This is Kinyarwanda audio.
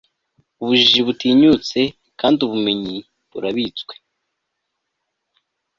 ubujiji butinyutse kandi ubumenyi burabitswe. - thucydide